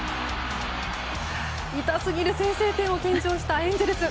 痛すぎる先制点を献上したエンゼルス。